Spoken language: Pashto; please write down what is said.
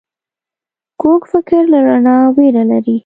کوږ فکر له رڼا ویره لري